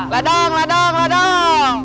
ladang ladang ladang